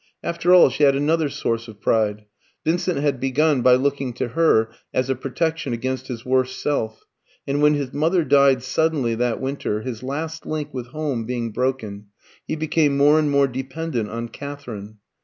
After all, she had another source of pride. Vincent had begun by looking to her as a protection against his worst self; and when his mother died suddenly that winter, his last link with home being broken, he became more and more dependent on Katherine.